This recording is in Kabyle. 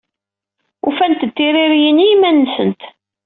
Ufant-d tiririyin i yiman-nsen.